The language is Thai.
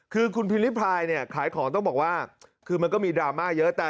คือคุณพิมริพายเนี่ยขายของต้องบอกว่าคือมันก็มีดราม่าเยอะ